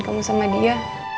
kamu sama dia